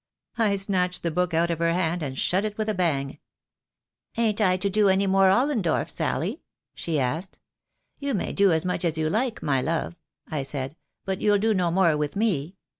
I snatched the book out of her hand, and shut it with a bang. ' Ain't I to do any more Ollendorff, Sally?' she asked. 'You may do as much as you like, my love,' I said, 'but you'll do no more with me.